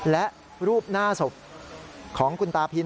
และรูปหน้าศพของคุณตาพิน